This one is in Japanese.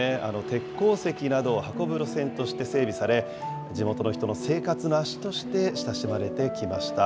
鉄鉱石などを運ぶ路線として整備され、地元の人の生活の足として親しまれてきました。